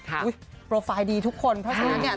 โพไฟล์ดีทุกคนเพราะฉะนั้นเนี่ย